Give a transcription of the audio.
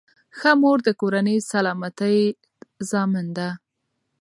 ښه مور د کورنۍ سلامتۍ ضامن ده.